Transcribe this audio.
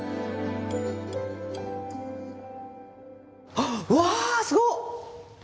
あっわすご！